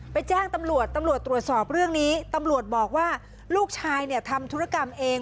แจ้งตำรวจตำรวจตรวจสอบเรื่องนี้ตำรวจบอกว่าลูกชายเนี่ยทำธุรกรรมเอง